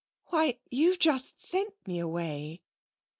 'Why you've just sent me away!'